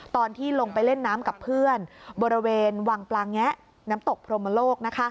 ตอนที่ลงไปเล่นน้ำกับเพื่อนบริเวณวังปลาแงะน้ำตกพรมโลก